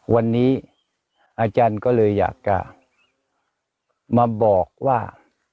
วันนี้อาจารย์ก็เลยอยากจะมาบอกว่า